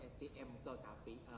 ini fotonya pak